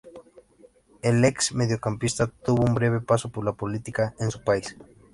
El ex mediocampista tuvo un breve paso por la política en su país.